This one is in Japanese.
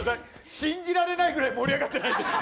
信じられないぐらい盛り上がってないです。